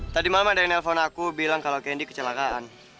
tadi malam ada yang nelpon aku bilang kalau kendi kecelakaan